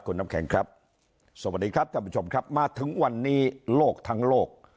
สวัสดีครับท่านผู้ชมมาถึงวันเนี้ยโลกทั้งโลก